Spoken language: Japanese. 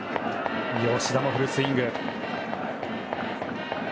吉田もフルスイング。